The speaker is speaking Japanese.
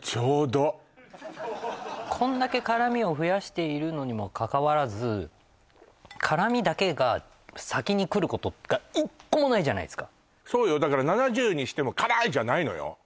ちょうどこんだけ辛味を増やしているのにもかかわらず辛味だけが先にくることが１個もないじゃないですかそうよだから７０にしても「辛い」じゃないのよ